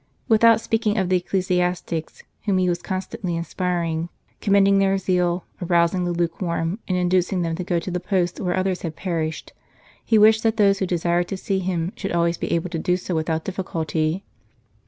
Without speaking of the ecclesiastics, whom he was constantly inspiring, commending their zeal, arousing the lukewarm, and inducing them to go to the posts where others had perished, he wished that those who desired to see him should always be able to do so without difficulty.